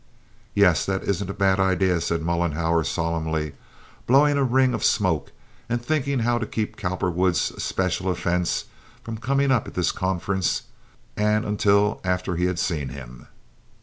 "Yes, that isn't a bad idea," said Mollenhauer, solemnly, blowing a ring of smoke, and thinking how to keep Cowperwood's especial offense from coming up at this conference and until after he had seen him.